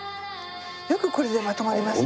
よくこれでまとまりますね。